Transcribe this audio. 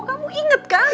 kamu inget kan